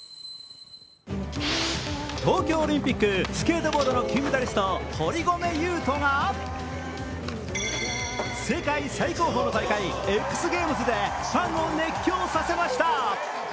東京オリンピックスケートボードの金メダリスト、堀米悠斗が世界最高峰の大会、ＸＧＡＭＥＳでファンを熱狂させました。